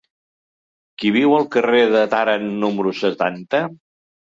Qui viu al carrer de Tàrent número setanta?